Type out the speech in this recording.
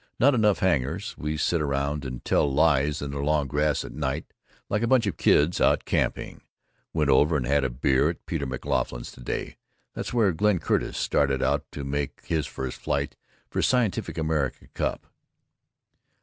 Not enough hangars. We sit around and tell lies in the long grass at night, like a bunch of kids out camping. Went over and had a beer at Peter McLoughlin's today, that's where Glenn Curtiss started out from to make his first flight for Sci. Amer. cup.